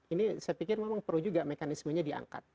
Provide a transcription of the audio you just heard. ini saya pikir memang perlu juga mekanismenya diangkat